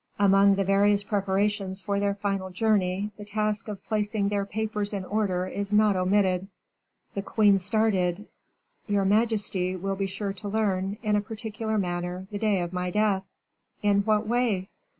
Among the various preparations for their final journey, the task of placing their papers in order is not omitted." The queen started. "Your majesty will be sure to learn, in a particular manner, the day of my death." "In what way?"